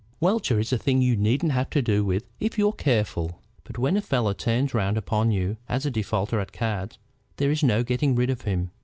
Welcher is a thing you needn't have to do with if you're careful. But when a fellow turns round upon you as a defaulter at cards, there is no getting rid of him.